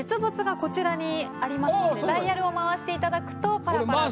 こちらにありますのでダイヤルを回していただくと。